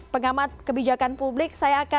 pengamat kebijakan publik